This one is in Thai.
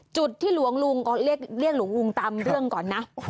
จุดที่หลวงลุงเรียกหลวงลุงตามเรื่องก่อนนะ